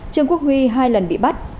trương quốc huy hai lần bị bắt